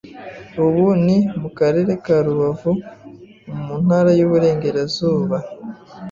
ubu ni mu karere ka Rubavu mu Ntara y’Uburengerazuba